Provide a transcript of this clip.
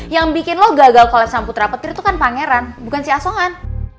yang bikin lo gagal kolap sang putra petir itu kan pangeran bukan si asongan